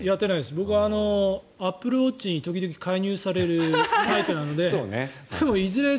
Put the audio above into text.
僕はアップルウォッチに時々、介入されるタイプなので多分、いずれ